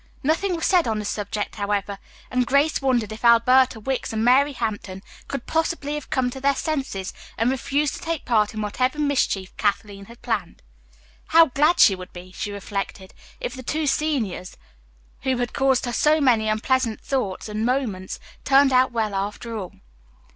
Nothing was said on the subject, however, and Grace wondered if Alberta Wicks and Mary Hampton could possibly have come to their senses and refused to take part in whatever mischief Kathleen had planned. How glad she would be, she reflected, if the two seniors, who had caused her so many unpleasant thoughts and moments turned out well after all.